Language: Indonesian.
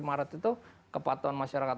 dan maret itu kepatuhan masyarakat